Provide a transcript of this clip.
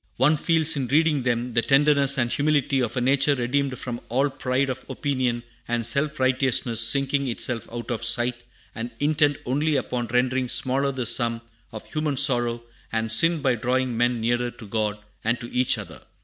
One feels, in reading them, the tenderness and humility of a nature redeemed from all pride of opinion and self righteousness, sinking itself out of sight, and intent only upon rendering smaller the sum of human sorrow and sin by drawing men nearer to God, and to each other.